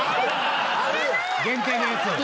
限定のやつ。